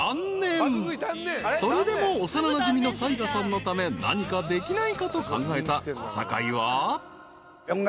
［それでも幼なじみの雑賀さんのため何かできないかと考えた小堺は］